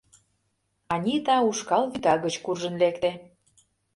Анита ушкал вӱта гыч куржын лекте.